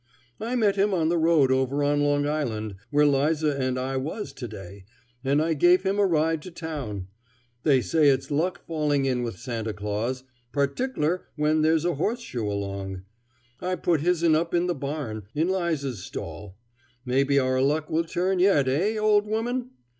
"I met him on the road over on Long Island, where 'Liza and I was to day, and I gave him a ride to town. They say it's luck falling in with Santa Claus, partickler when there's a horseshoe along. I put hisn up in the barn, in 'Liza's stall. Maybe our luck will turn yet, eh! old woman?"